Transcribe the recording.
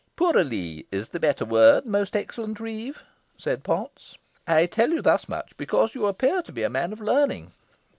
"Pourallee is the better word, most excellent reeve," said Potts. "I tell you thus much, because you appear to be a man of learning.